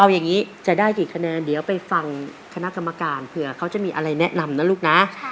เอาอย่างนี้จะได้กี่คะแนนเดี๋ยวไปฟังคณะกรรมการเผื่อเขาจะมีอะไรแนะนำนะลูกนะ